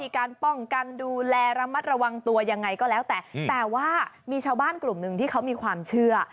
การป้องกันดูแลระมัดระวังตัวยังไงก็แล้วแต่แต่ว่ามีชาวบ้านกลุ่มหนึ่งที่เขามีความเชื่อ